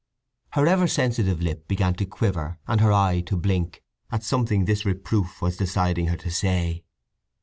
Her ever sensitive lip began to quiver, and her eye to blink, at something this reproof was deciding her to say.